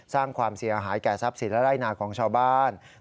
สร้างความเสียหายแก่ทรัพย์สินและไร่นาของชาวบ้าน